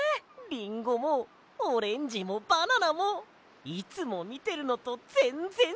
リンゴもオレンジもバナナもいつもみてるのとぜんぜんちがうや！